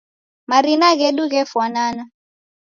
Marina ghedu ghefwanana.